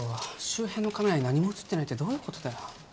周辺のカメラに何も写ってないってどういうことだよ